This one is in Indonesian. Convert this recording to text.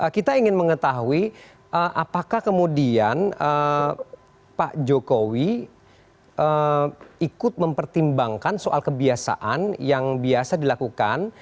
kita ingin mengetahui apakah kemudian pak jokowi ikut mempertimbangkan soal kebiasaan yang biasa dilakukan